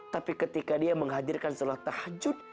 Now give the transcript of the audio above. tapi ketika dia menghadirkan sholat tahajud